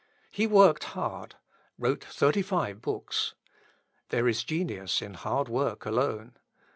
He worked hard wrote thirty five books. There is genius in hard work alone.